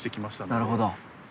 なるほど。